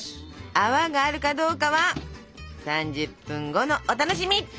泡があるかどうかは３０分後のお楽しみ！